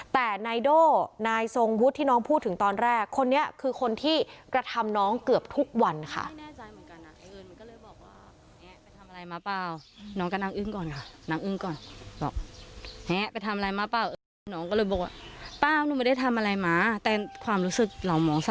แต่นายโด่นายทรงวุฒิที่น้องพูดถึงตอนแรกคนนี้คือคนที่กระทำน้องเกือบทุกวันค่ะ